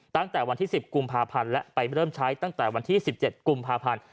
ตั้งแต่วันที่๑๐กุมภาพันธ์และไปเริ่มใช้ตั้งแต่วันที่๑๗กุมภาพันธ์